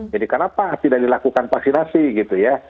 jadi kenapa tidak dilakukan vaksinasi gitu ya